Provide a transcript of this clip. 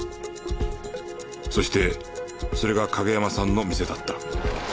そしてそれが景山さんの店だった。